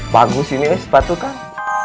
bagus ini sepatu kang